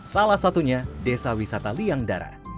salah satunya desa wisata liangdara